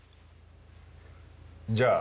じゃあ。